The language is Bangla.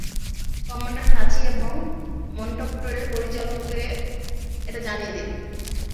কমান্ডার হাচি এবং মনক্টনের পরিচালকে এটা জানিয়ে দিন।